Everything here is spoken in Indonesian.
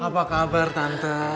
apa kabar tante